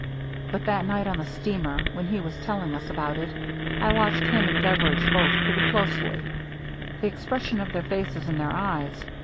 But that night on the steamer, when he was telling us about it, I watched him and Beveridge both pretty closely, — the expression of their faces and their eyes.